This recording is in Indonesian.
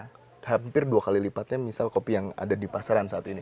hampir dua kali lipatnya misal kopi yang ada di pasaran saat ini